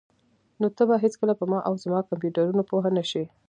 نو ته به هیڅکله په ما او زما کمپیوټرونو پوه نشې